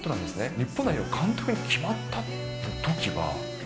日本代表の監督に決まったときは。